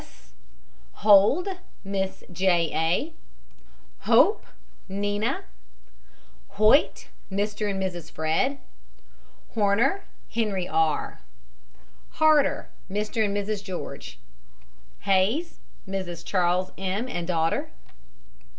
S. HOLD, MISS J. A. HOPE, NINA. HOYT, MR. AND Mrs. FRED. HORNER, HENRY R. HARDER, MR. AND MRS. GEORGE. HAYS, MRS. CHARLES M., and daughter.